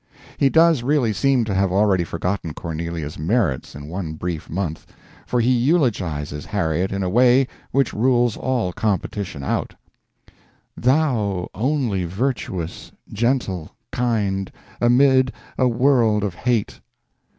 He does really seem to have already forgotten Cornelia's merits in one brief month, for he eulogizes Harriet in a way which rules all competition out: "Thou only virtuous, gentle, kind, Amid a world of hate."